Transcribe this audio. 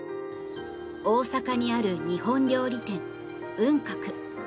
大阪にある日本料理店、雲鶴。